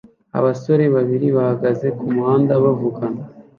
Abasore babiri bahagaze kumuhanda bavugana